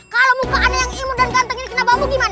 kalau muka aneh yang imun dan ganteng ini kena bambu gimana